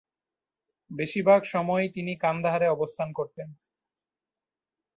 বেশিরভাগ সময়ই তিনি কান্দাহারে অবস্থান করতেন।